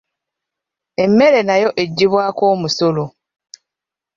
Emmere nayo eggyibwako omusolo.